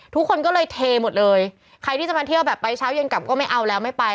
ทุกคนก็เลยเทหมดเลยใครที่จะมาเที่ยวแบบไปเช้าเย็นกลับก็ไม่เอาแล้วไม่ไป